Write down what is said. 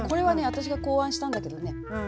私が考案したんだけどね